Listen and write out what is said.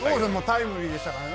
タイムリーでしたからね